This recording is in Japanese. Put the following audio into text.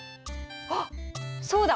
あっそうだ！